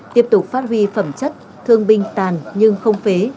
tiếp tục phát huy phẩm chất thương binh tàn nhưng không phế